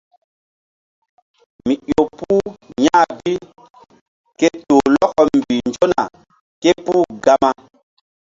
Mi ƴo puh ya̧h guri ke toh lɔkɔ mbih nzona ké puh Gama.